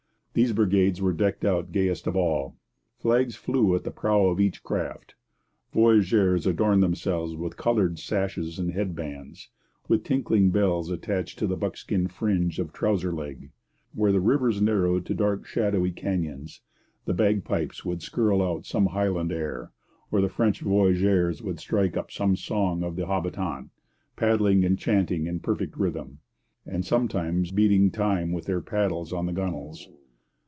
These brigades were decked out gayest of all. Flags flew at the prow of each craft. Voyageurs adorned themselves with coloured sashes and headbands, with tinkling bells attached to the buckskin fringe of trouser leg. Where the rivers narrowed to dark and shadowy canyons, the bagpipes would skirl out some Highland air, or the French voyageurs would strike up some song of the habitant, paddling and chanting in perfect rhythm, and sometimes beating time with their paddles on the gunwales.